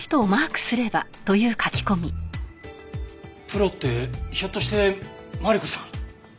プロってひょっとしてマリコさん？